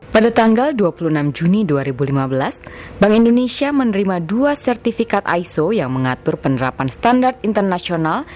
pada tanggal dua puluh enam juni dua ribu lima belas bank indonesia menerima dua sertifikat iso yang mengatur penerapan standar internasional